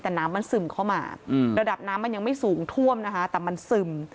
แต่น้ำมันซึมเข้ามาระดับน้ำมันยังไม่สูงท่วมนะคะแต่มันซึม